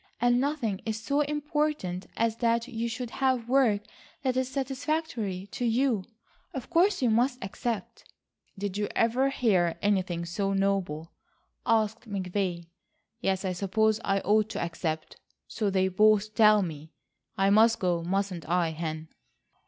And nothing is so important as that you should have work that is satisfactory to you. Of course you must accept." "Did you ever hear anything so noble?" asked McVay. "Yes, I suppose I ought to accept. So they both tell me. I must go, mustn't I, Hen?"